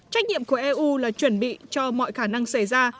trách nhiệm của eu là chuẩn bị cho mọi khả năng xảy ra